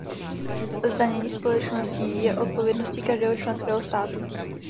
Zdanění společností je odpovědností každého členského státu.